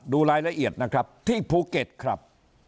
ดูรายละเอียดนะครับที่ภูเก็ตครับ